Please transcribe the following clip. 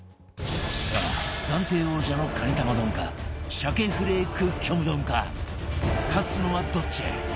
さあ暫定王者のカニ玉丼か鮭フレーク虚無丼か勝つのはどっち？